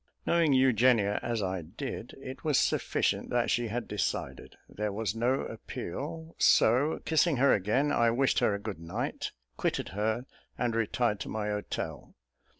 Knowing Eugenia as I did, it was sufficient that she had decided. There was no appeal; so, kissing her again, I wished her a good night, quitted her, and retired to my hotel.